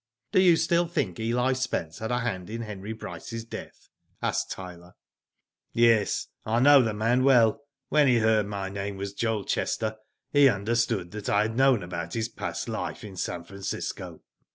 Do you still think Eli Spence had a hand in Henry Bryce's death ?" asked Tyler. Digitized byGoogk TRIED AND CONVICTED. 245 "Yes. I know the man well. When he heard my name was Joel Chester he understood that I had known about his past life in San Francisco."